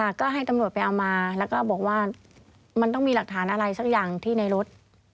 ก็ให้ตำรวจไปเอามาแล้วก็บอกว่ามันต้องมีหลักฐานอะไรสักอย่างที่ในรถ